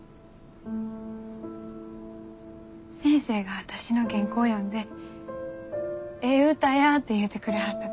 先生が私の原稿読んでええ歌やって言うてくれはった時。